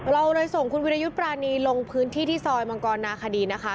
เราเลยส่งคุณวิรยุทธ์ปรานีลงพื้นที่ที่ซอยมังกรนาคดีนะคะ